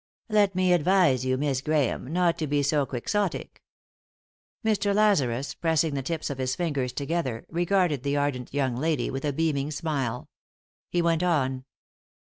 " Let me advise you, Miss Grahame, not to be so quixotic." Mr. Lazarus, pressing the tips of his fingers together, regarded the ardent young lady with a beaming smile. He went on.